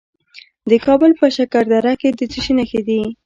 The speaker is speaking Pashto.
د کابل په شکردره کې د څه شي نښې دي؟